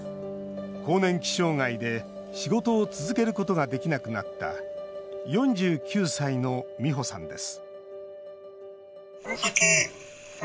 更年期障害で、仕事を続けることができなくなった４９歳のミホさんです